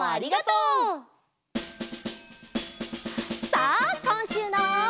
さあこんしゅうの。